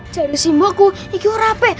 jadi semua aku ini orang apa